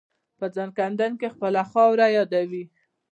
په ځانکدن خپله خاوره یادوي.